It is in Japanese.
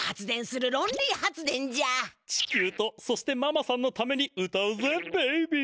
地球とそしてママさんのためにうたうぜベイビー。